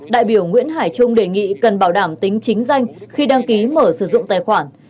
đại biểu nguyễn hải trung đề nghị cần bảo đảm tính chính danh khi đăng ký mở sử dụng tài khoản